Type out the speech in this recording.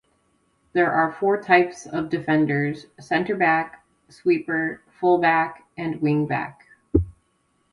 There are four types of defenders: centre-back, sweeper, full-back, and wing-back.